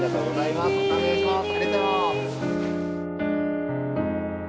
またお願いします。